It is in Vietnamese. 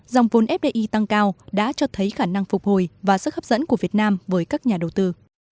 dòng vốn fdi tăng cao đã cho thấy khả năng phục hồi và sức hấp dẫn của việt nam với các nhà đầu tư